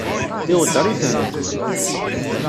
Iweddeṛ-iten?